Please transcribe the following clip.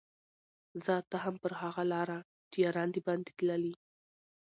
ځه ته هم پر هغه لاره چي یاران دي باندي تللي